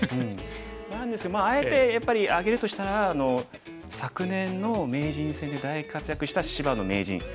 なんですけどまああえてやっぱり挙げるとしたら昨年の名人戦で大活躍した芝野名人。